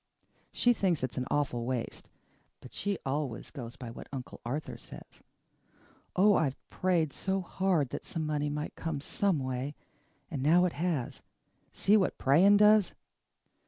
She thinks it's an awful waste, but she always goes by what Uncle Arthur says. Oh, I've prayed so hard that some money might come some way, and now it has. See what praying does!"